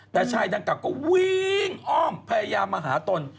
แต่ชายดังกล่าก็วิ่งอ้อมพยายามมาหาตน